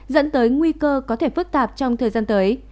dẫn tới nguy cơ có thể phức tạp trong thời gian tới